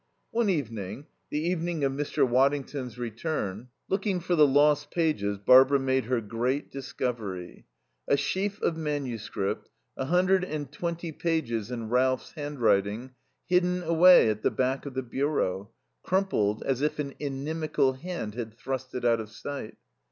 One evening, the evening of Mr. Waddington's return, looking for the lost pages, Barbara made her great discovery: a sheaf of manuscript, a hundred and twenty pages in Ralph's handwriting, hidden away at the back of the bureau, crumpled as if an inimical hand had thrust it out of sight.